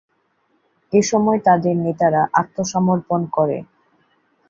এসময় তাদের নেতারা আত্মসমর্পণ করে।